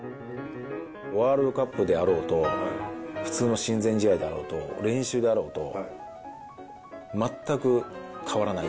ワールドカップであろうと、普通の親善試合であろうと、練習であろうと、全く変わらない。